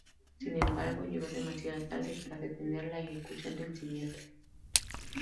Sin embargo, llegó demasiado tarde para detener la ejecución de Sinestro.